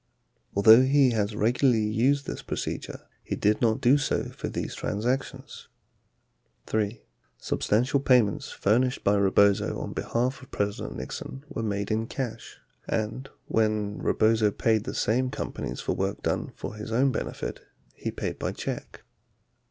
Although he has regularly used this procedure, he did not do so for these transactions. 3. Substantial payments furnished by Rebozo on behalf of Presi dent Nixon were made in cash and, when Rebozo paid the same companies for work done for his own benefit, he paid by check.